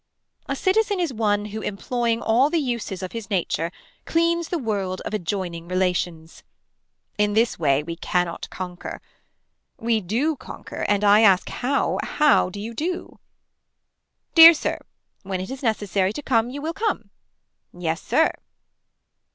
A citizen is one who employing all the uses of his nature cleans the world of adjoining relations. In this way we cannot conquer. We do conquer and I ask how, how do you do. Dear Sir. When it is necessary to come you will come. Yes sir.